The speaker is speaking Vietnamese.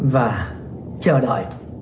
và chờ đợi